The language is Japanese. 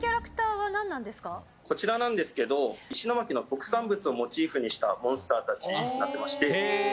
こちらなんですけど、石巻の特産物をモチーフにしたモンスターたちになってまして。